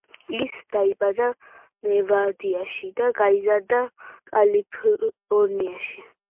ის დაიბადა ნევადაში და გაიზარდა კალიფორნიაში.